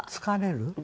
疲れる？